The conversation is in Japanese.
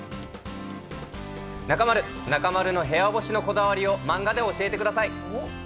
中丸、中丸の部屋干しのこだわりを漫画で教えてください。